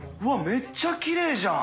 めっちゃきれいじゃん！